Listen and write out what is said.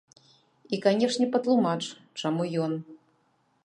І канешне, патлумач, чаму ён.